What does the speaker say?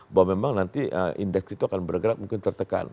bahwa memang nanti indeks itu akan bergerak